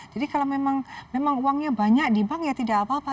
jadi kalau memang uangnya banyak di bank ya tidak apa apa